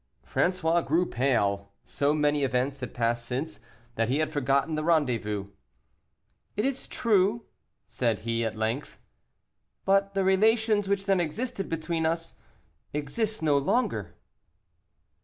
François grew pale. So many events had passed since, that he had forgotten the rendezvous. "It is true," said he, at length, "but the relations which then existed between us exist no longer."